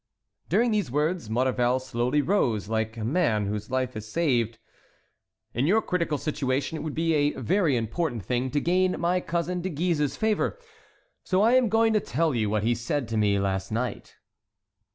During these words, Maurevel slowly rose, like a man whose life is saved. "In your critical situation it would be a very important thing to gain my cousin De Guise's favor. So I am going to tell you what he said to me last night."